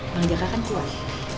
bang jaka kan keluar